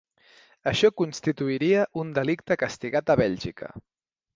Això constituiria un delicte castigat a Bèlgica.